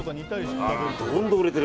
どんどん売れてる。